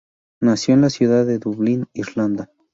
Nació en la ciudad de Dublín, Irlanda.